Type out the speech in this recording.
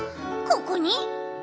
ここに？」